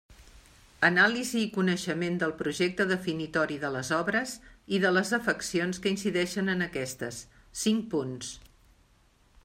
Anàlisi i coneixement del projecte definitori de les obres i de les afeccions que incideixen en aquestes: cinc punts.